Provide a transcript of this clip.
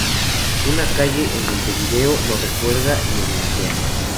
Una calle en Montevideo, lo recuerda y homenajea.